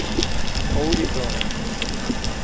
Ourizona